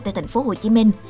tại thành phố hồ chí minh